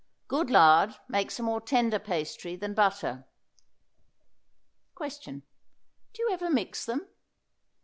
Good lard makes a more tender pastry than butter. Question. Do you ever mix them?